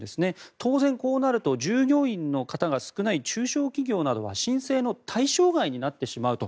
当然、こうなると従業員の方が少ない中小企業などは申請の対象外になってしまうと。